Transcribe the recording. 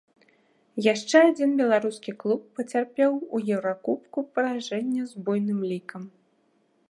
Яшчэ адзін беларускі клуб пацярпеў у еўракубку паражэнне з буйным лікам.